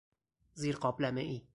زیر قابلمهای